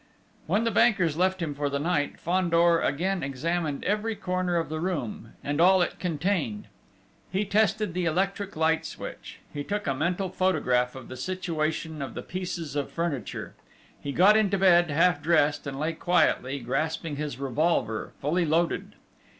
When the bankers left him for the night, Fandor again examined every corner of the room, and all it contained. He tested the electric light switch; he took a mental photograph of the situation of the pieces of furniture. He got into bed, half dressed, and lay quietly, grasping his revolver, fully loaded.